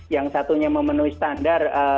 yang satunya memenuhi standar